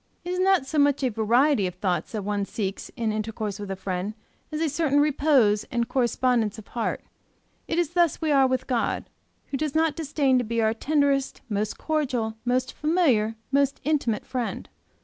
It is not so much a variety of thoughts that one seeks in intercourse with a friend, as a certain repose and correspondence of heart. It is thus we are with God, who does not disdain to be our tenderest, most cordial, most familiar, most intimate friend.